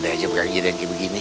aduh ya ada aja yang kayak gini